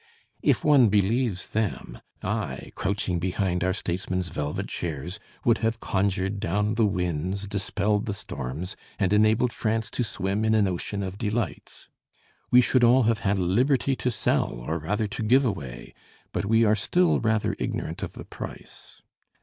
If one believes them, I, crouching behind our statesmen's velvet chairs, would have conjured down the winds, dispelled the storms, and enabled France to swim in an ocean of delights. We should all have had liberty to sell, or rather to give away, but we are still rather ignorant of the price.